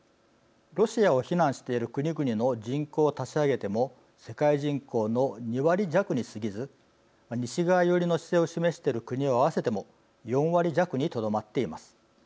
ロシアを非難している国々の人口を足し上げても世界人口の２割弱にすぎず西側寄りの姿勢を示している国を合わせても４割弱にとどまっています。